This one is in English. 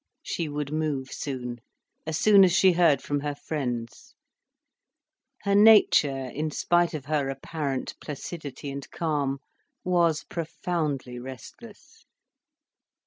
She would move soon, as soon as she heard from her friends. Her nature, in spite of her apparent placidity and calm, was profoundly restless.